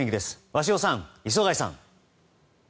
鷲尾さん、磯貝さん。